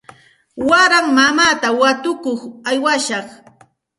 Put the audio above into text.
Waraymi mamaata watukuq aywashaq.